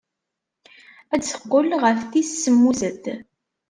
Ad d-teqqel ɣef tis semmuset.